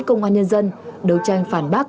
công an nhân dân đấu tranh phản bác